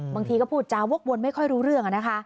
บางทีก็พูดจาวกวนไม่ค่อยรู้เรื่อง